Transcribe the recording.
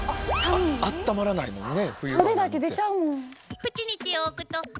あったまらないもんね。